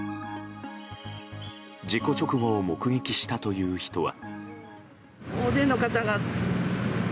事故直後を目撃したという人は。